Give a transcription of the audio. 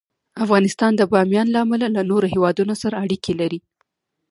افغانستان د بامیان له امله له نورو هېوادونو سره اړیکې لري.